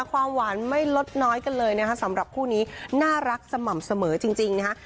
ความหวานไม่ลดน้อยกันเลยนะคะสำหรับคู่นี้น่ารักสม่ำเสมอจริงนะฮะ